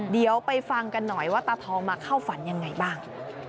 เดี๋ยวไปฟังกันหน่อยว่าตาทองมาเข้าฝันยังไงบ้าง